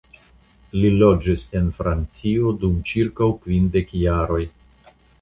Li loĝis en Francio dum ĉirkaŭ kvin dek jaroj.